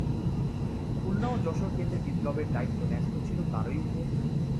খুলনা ও যশোর কেন্দ্রে বিপ্লবের দায়িত্ব ন্যস্ত ছিল তারই ওপর।